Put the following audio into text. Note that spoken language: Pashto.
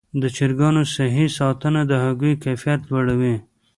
د چرګانو صحي ساتنه د هګیو کیفیت لوړوي.